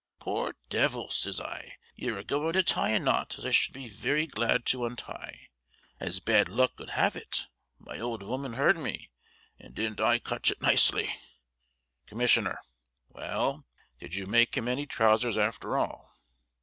"Poor devil," ses I, "you're a goin to tie a knot as I should be werry glad to untie." As bad luck 'ud have it, my old woman heard me, and didn't I cotch it nicely. Commissioner: Well, did you make him any trousers after all?